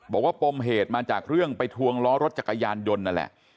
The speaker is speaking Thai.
ปมเหตุมาจากเรื่องไปทวงล้อรถจักรยานยนต์นั่นแหละ